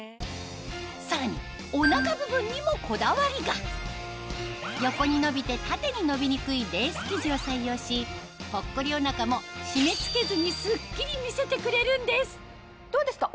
さらにお腹部分にもこだわりが横に伸びて縦に伸びにくいレース生地を採用しぽっこりお腹も締め付けずにスッキリ見せてくれるんですどうですか？